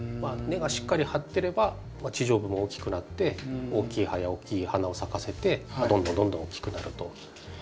根がしっかり張ってれば地上部も大きくなって大きい葉や大きい花を咲かせてどんどんどんどん大きくなると。